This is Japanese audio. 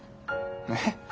えっ？